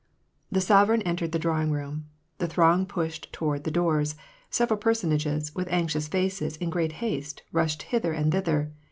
The sovereign entered the drawing room. The throng pushed toward the doors : several personages, with anxious faces, in great haste, rushed hither and thither.